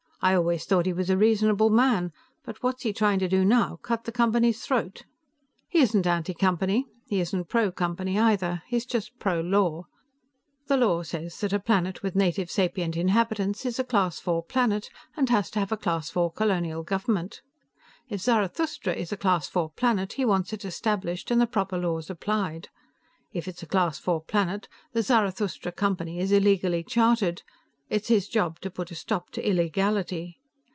"I always thought he was a reasonable man, but what's he trying to do now? Cut the Company's throat?" "He isn't anti Company. He isn't pro Company either. He's just pro law. The law says that a planet with native sapient inhabitants is a Class IV planet, and has to have a Class IV colonial government. If Zarathustra is a Class IV planet, he wants it established, and the proper laws applied. If it's a Class IV planet, the Zarathustra Company is illegally chartered. It's his job to put a stop to illegality.